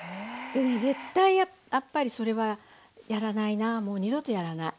でね絶対やっぱりそれはやらないなもう二度とやらない。